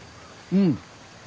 うん。